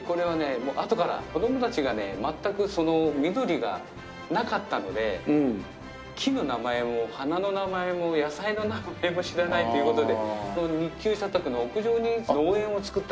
子供たちがね全くその緑がなかったので木の名前も花の名前も野菜の名前も知らないという事でこの日給社宅の屋上に農園を作った。